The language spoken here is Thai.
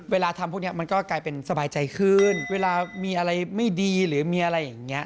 เวลาทำพวกนี้มันก็กลายเป็นสบายใจขึ้นเวลามีอะไรไม่ดีหรือมีอะไรอย่างนี้